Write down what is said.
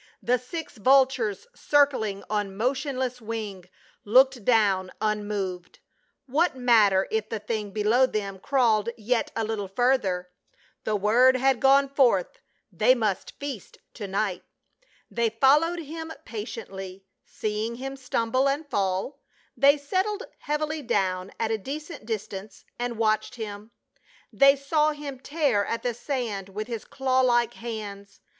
The six vultures, circling on motionless wing, looked down unmoved. What matter if the thing below them crawled yet a little further. The word had gone forth, they must feast to night. They followed him patiently ; seeing him stumble and fall, they settled heavily down at a decent distance and watched him. They saw him tear at the sand v.'ith his claw like hands.